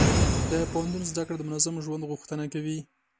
د پوهنتون زده کړه د منظم ژوند غوښتنه کوي.